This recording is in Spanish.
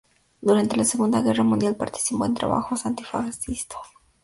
Durante la Segunda Guerra Mundial participó en trabajos antifascistas.